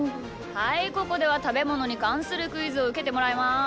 はいここではたべものにかんするクイズをうけてもらいます。